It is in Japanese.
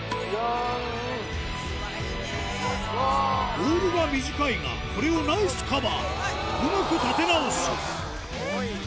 ボールは短いがこれをナイスカバーうまく立て直すうわっスゴいな！